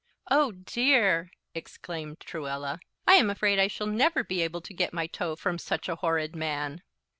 "Oh, dear!" exclaimed Truella, "I am afraid I shall never be able to get my toe from such a horrid man."